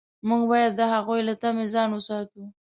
موږ باید د هغوی له طمع ځان وساتو.